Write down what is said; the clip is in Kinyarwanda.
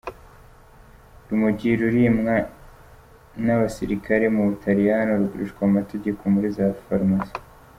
Urumogi rurimwa n'abasirikare mu Butaliyano, rugurishwa mu mategeko muri za farumasi.